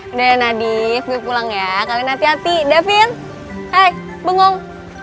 udah ya nadif gue pulang ya kalian hati hati devin hey bengong